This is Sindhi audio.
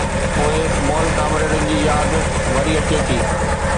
پوءِ مئل ڪامريڊن جي ياد وري اچي ٿي.